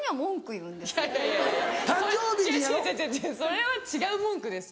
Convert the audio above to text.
違う違うそれは違う文句です。